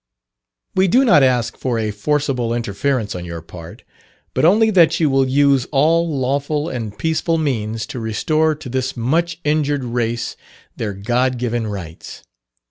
We do not ask for a forcible interference on your part, but only that you will use all lawful and peaceful means to restore to this much injured race their God given rights.